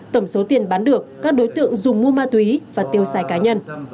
tổng số tiền bán được các đối tượng dùng mua ma túy và tiêu xài cá nhân